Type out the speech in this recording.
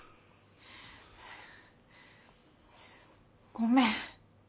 ごめん。